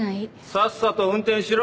さっさと運転しろ。